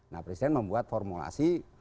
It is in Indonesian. nah presiden membuat formulasi